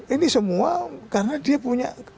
ini semua karena dia punya